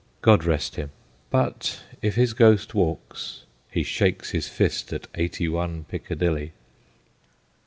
God rest him I but if his ghost walks he shakes his fist at 81 Piccadilly.